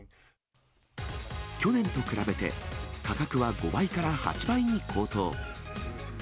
去年と比べて、価格は５倍から８倍に高騰。